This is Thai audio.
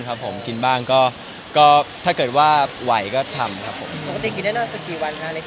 คือถ้าเกิดว่าไหวก็ทำครับครับ